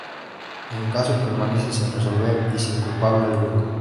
El caso permanece sin resolver y sin culpable alguno.